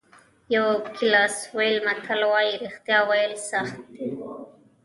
یوګوسلاویې متل وایي رښتیا ویل سخت دي.